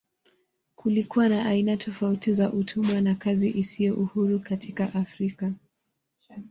Kulikuwa na aina tofauti za utumwa na kazi isiyo huru katika Afrika.